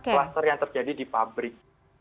kluster yang terjadi di pabrik